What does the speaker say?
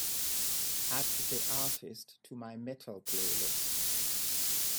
Add the artist to my Metal playlist.